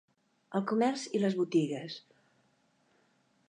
El comerç i les botigues.